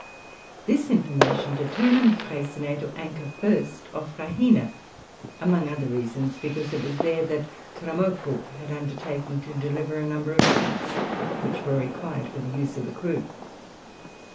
This information determined Freycinet to anchor first off Raheina, among other reasons, because it was there that Kraimokou had undertaken to deliver a number of pigs, which were required for the use of the crew.